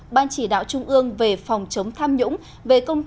ban chỉ đạo trung ương về phòng chống tham nhũng